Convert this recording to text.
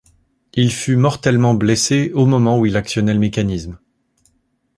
Il fut mortellement blessé au moment où il actionnait le mécanisme.